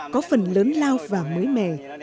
có phần lớn lao và mới mẻ